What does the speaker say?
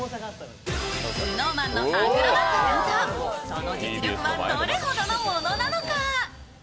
ＳｎｏｗＭａｎのアクロバット担当、その実力はどれほどのものなのか？